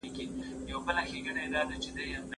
که قانون تطبیق سي نو فساد به ورک سي.